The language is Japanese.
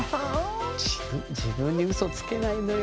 自分自分にウソつけないのよ。